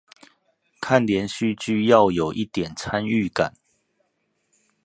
看連續劇要有一點參與感